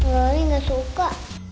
loli gak suka